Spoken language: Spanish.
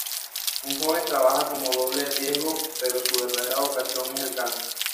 Un joven trabaja como doble de riesgo pero su verdadera vocación es el canto.